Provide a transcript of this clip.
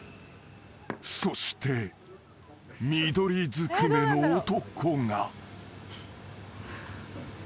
［そして緑ずくめの男が］